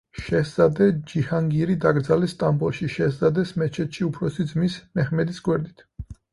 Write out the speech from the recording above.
შეჰზადე ჯიჰანგირი დაკრძალეს სტამბოლში, შეჰზადეს მეჩეთში უფროსი ძმის, მეჰმედის გვერდით.